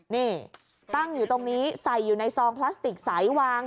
นี่ตั้งอยู่ตรงนี้ใส่อยู่ในซองพลาสติกใสวาง